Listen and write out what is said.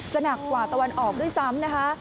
หนักกว่าตะวันออกด้วยซ้ำนะคะ